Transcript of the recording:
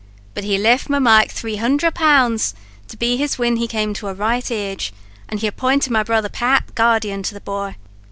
But he left my Mike three hunder pounds; to be his whin he came to a right age; and he appointed my brother Pat guardian to the bhoy.